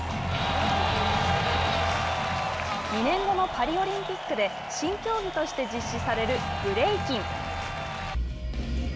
２年後のパリオリンピックで新競技として実施されるブレイキン。